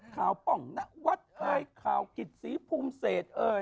ป้องนวัดเอ่ยข่าวกิจศรีภูมิเศษเอ่ย